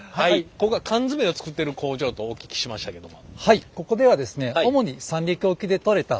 ここは缶詰を作ってる工場とお聞きしましたけども。